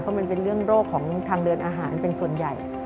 เพราะมันเป็นเรื่องโรคของทางเดินอาหารเป็นส่วนใหญ่